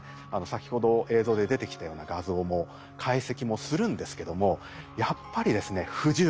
先ほど映像で出てきたような画像も解析もするんですけどもやっぱりですね不十分。